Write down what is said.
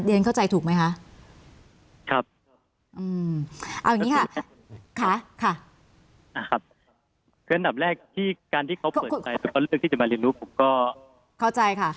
เรียนเข้าใจถูกไหมคะ